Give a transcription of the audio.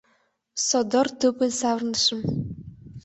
Содор тупынь савырнышым.